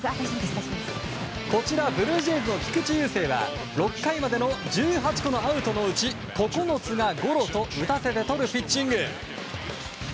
こちら、ブルージェイズの菊池雄星は６回までの１８個のアウトのうち９つがゴロと打たせてとるピッチング。